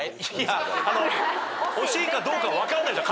惜しいかどうか分かんないじゃん。